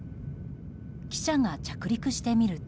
記者が着陸してみると。